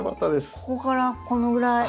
ここからこのぐらい。